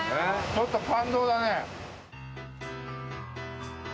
ちょっと感動だね。